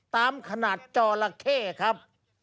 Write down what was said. ตามขนาดจอละเข้ครับ